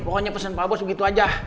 pokoknya pesan pak bos begitu aja